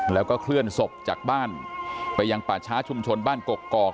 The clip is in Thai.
แล้วก็เคลื่อนศพจากบ้านไปยังป่าช้าชุมชนบ้านกกอก